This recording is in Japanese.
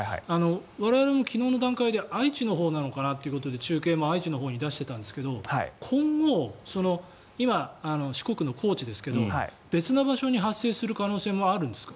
我々も昨日の段階で愛知のほうなのかなって中継も愛知のほうに出していたんですけど今後、今四国の高知ですけど別の場所に発生する可能性もあるんですか。